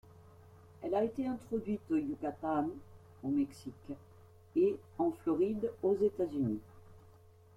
Elle a été introduite au Yucatán au Mexique et en Floride aux États-Unis.